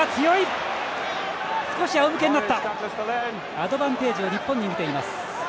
アドバンテージを日本にみています。